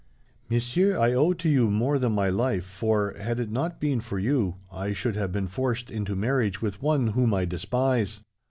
"Monsieur, I owe to you more than my life, for, had it not been for you, I should have been forced into marriage with one whom I despise."